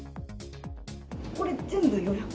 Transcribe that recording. これ、全部予約？